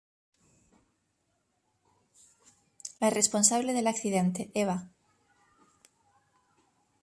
La responsable del accidente, Eva.